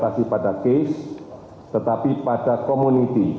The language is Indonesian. kami akan release berorientasi pada case tetapi pada community